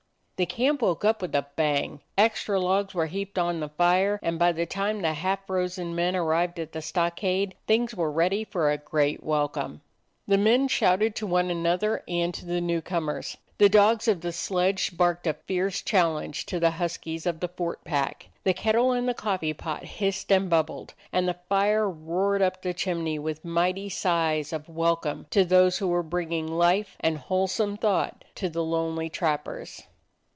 The camp woke up with a bang. Extra logs were heaped on the fire, and by the time the half frozen men arrived at the stockade things were ready for a great welcome. The men shouted to one another and to the new comers; the dogs of the sledge barked a fierce 32 A DOG OF THE NORTHLAND challenge to the huskies of the fort pack; the kettle and the coffee pot hissed and bubbled, and the fire roared up the chimney with mighty sighs of welcome to those who were bringing life and wholesome thought to the lonely trappers.